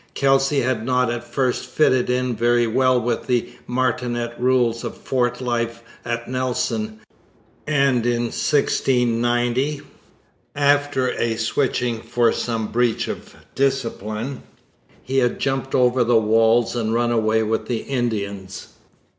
Kelsey had not at first fitted in very well with the martinet rules of fort life at Nelson, and in 1690, after a switching for some breach of discipline, he had jumped over the walls and run away with the Indians.